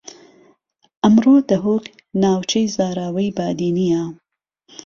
ئەمڕو دھۆک ناوچەی زاراوەی بادینییە